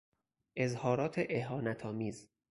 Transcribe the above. اظهارات اهانتآمیز